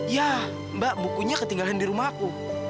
ya mbak bukunya ketinggalan di rumahku